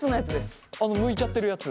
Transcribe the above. あのむいちゃってるやつ。